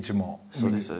そうです。